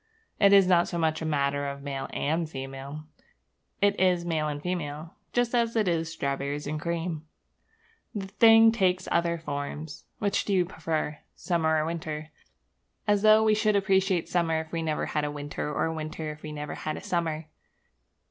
It is not so much a matter of male and female: it is maleandfemale, just as it is strawberriesandcream. The thing takes other forms. Which do you prefer summer or winter? As though we should appreciate summer if we never had a winter, or winter if we never had a summer!